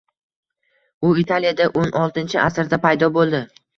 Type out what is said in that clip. u Italiyada o'n oltinchi asrda paydo bo‘ldi.